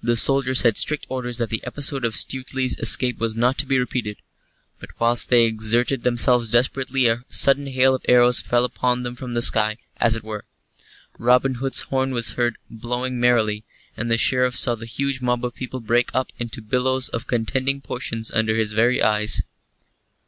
The soldiers had strict orders that the episode of Stuteley's escape was not to be repeated. But whilst they exerted themselves desperately a sudden hail of arrows fell upon them from the sky, as it were. Robin Hood's horn was heard blowing merrily, and the Sheriff saw the huge mob of people break up into billows of contending portions under his very eyes.